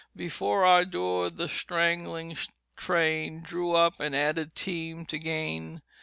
Before our door the straggling train Drew up, an added team to gain.